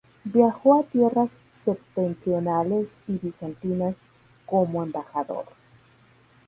Viajó a tierras septentrionales y bizantinas como embajador.